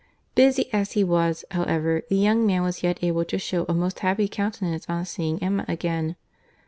Busy as he was, however, the young man was yet able to shew a most happy countenance on seeing Emma again.